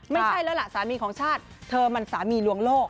ไม่ใช่แล้วล่ะสามีของชาติเธอมันสามีลวงโลก